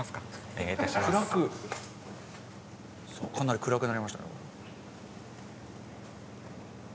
さあかなり暗くなりましたよ。